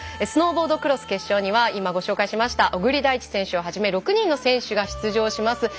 スノーボードクロス決勝には今、ご紹介しました小栗大地選手を初め６人の選手が出場します。